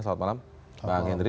selamat malam bang hendry